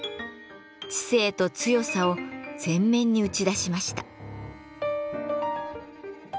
知性と強さを前面に打ち出しました。